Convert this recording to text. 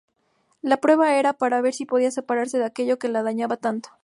La prueba era para ver si podía separarse de aquello que la dañaba tanto.